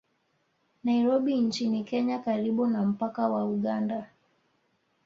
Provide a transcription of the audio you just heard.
Nairobi nchini Kenya karibu na mpaka wa Uganda